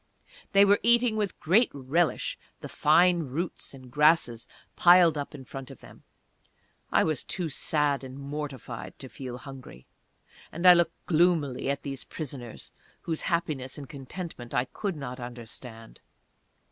They were eating with great relish the fine roots and grasses piled up in front of them. I was too sad and mortified to feel hungry, and I looked gloomily at these prisoners, whose happiness and contentment I could not understand.